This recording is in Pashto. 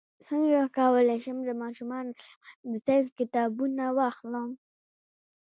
څنګه کولی شم د ماشومانو لپاره د ساینس کتابونه واخلم